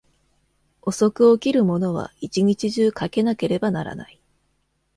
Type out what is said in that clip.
遅く起きる者は、一日中駈けなければならない。